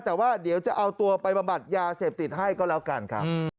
แต่ว่าเดี๋ยวจะเอาตัวไปบำบัดยาเสพติดให้ก็แล้วกันครับ